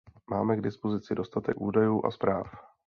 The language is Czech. Máme k dispozici dostatek údajů a zpráv.